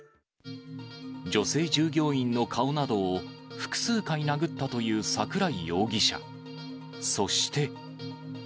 女性従業員の顔などを複数回殴ったという桜井容疑者。